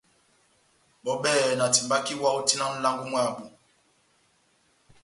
Bɔ́ bɛ́hɛ́pi na timbaka iwa ó tina nʼlango mwábu.